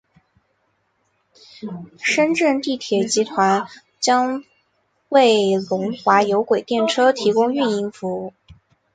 深圳地铁集团将为龙华有轨电车提供运营服务。